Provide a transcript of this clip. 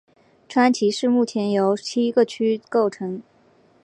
川崎市目前由七个区构成。